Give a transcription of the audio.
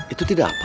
itu tidak apa